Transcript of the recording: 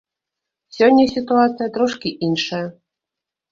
Сёння сітуацыя трошкі іншая.